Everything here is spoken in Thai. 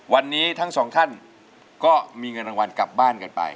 วันนี้ทั้งสองท่านก็มีเงินรางวัลกลับบ้านกันไป